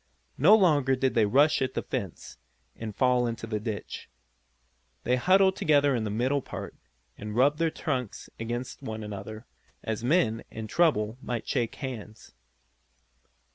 No longer did they rush at the fence, and fall into the ditch. They huddled together in the middle part, and rubbed their trunks against one another, as men, in trouble, might shake hands.